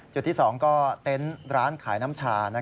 จุดที่๒ก็เต็นต์ร้านขายน้ำชา